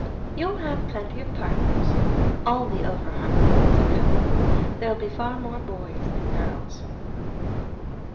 "You'll have plenty of partners all the over harbour boys are coming there'll be far more boys than girls."